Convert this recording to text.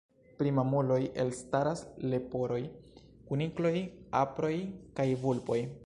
Pri mamuloj elstaras leporoj, kunikloj, aproj kaj vulpoj.